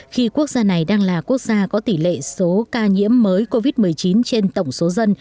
khi quốc gia này đang là quốc gia có tỷ lệ số ca nhiễm mới covid một mươi chín